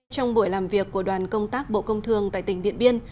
trong buổi làm việc của đoàn công tác bộ công thương tại tỉnh điện biên